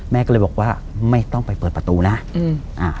แม่ก็เลยบอกว่าไม่ต้องไปเปิดประตูนะอืมอ่า